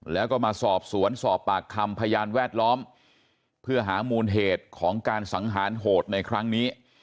แล้วก็มาสอบสวนสอบปากคำพยานแวดล้อมเพื่อหามูลเหตุของการสังหารโหดในครั้งนี้